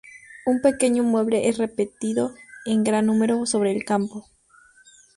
Un pequeño mueble es repetido en gran número sobre el campo.